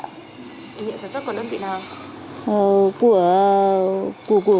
ủy nhiệm sản xuất của đơn vị nào